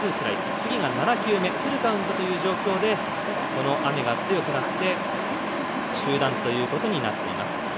次が７球目フルカウントという状況で雨が強くなって中断ということになっています。